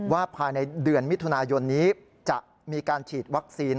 ภายในเดือนมิถุนายนนี้จะมีการฉีดวัคซีน